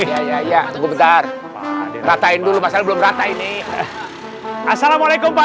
ya ya ya tunggu bentar ratain dulu pasal belum rata ini assalamualaikum pak